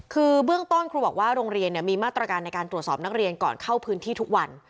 คือเบื้องต้นครูบอกว่าโรงเรียนมีมาตรการในการตรวจสอบนักเรียนก่อนเข้าพื้นที่ทุกวัน